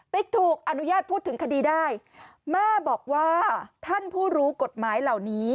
ถูกอนุญาตพูดถึงคดีได้แม่บอกว่าท่านผู้รู้กฎหมายเหล่านี้